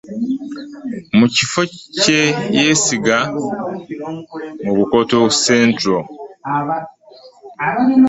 Mu kifo ky'e Kyesiiga mu Bukoto Central